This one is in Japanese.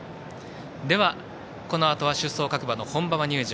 ではこのあとは出走各馬の本馬場入場。